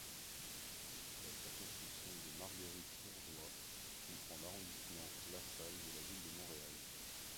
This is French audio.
La circonscription de Marguerite-Bourgeoys comprend l'arrondissement LaSalle de la ville de Montréal.